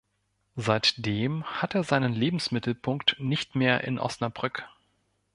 Seitdem hat er seinen Lebensmittelpunkt nicht mehr in Osnabrück.